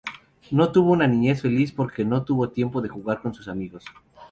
No tuvo una niñez feliz porque no tuvo tiempo de jugar con sus amigos.